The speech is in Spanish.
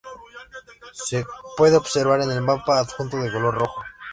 Se puede observar en el mapa adjunto de color rojo.